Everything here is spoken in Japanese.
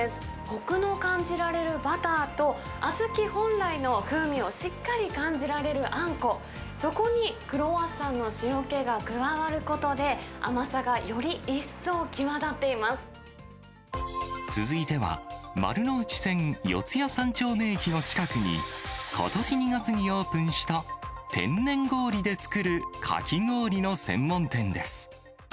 こくの感じられるバターと、小豆本来の風味をしっかり感じられるあんこ、そこにクロワッサンの塩気が加わることで、甘さがより一層際立っ続いては、丸ノ内線四谷三丁目駅の近くに、ことし２月にオープンした、天然氷で作るかき氷の専門店です。